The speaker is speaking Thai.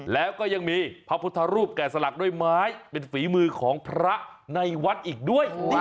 แล้วก็ยังมีพระพุทธรูปแก่สลักด้วยไม้เป็นฝีมือของพระในวัดอีกด้วย